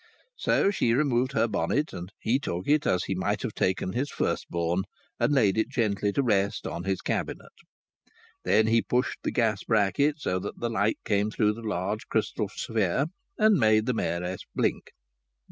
So she removed her bonnet, and he took it as he might have taken his firstborn, and laid it gently to rest on his cabinet. Then he pushed the gas bracket so that the light came through the large crystal sphere, and made the Mayoress blink.